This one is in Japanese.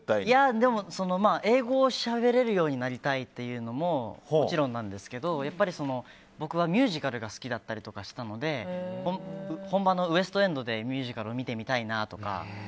でも英語をしゃべれるようになりたいというのももちろんなんですけど僕はミュージカルが好きだったりとかしたので本場のウェストエンドでミュージカル見てみたいなとか。